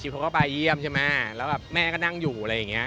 คลิปเขาก็ไปเยี่ยมและแม่ก็นั่งอยู่